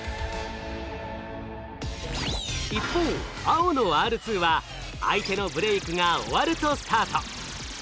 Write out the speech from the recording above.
一方青のＲ２は相手のブレイクが終わるとスタート。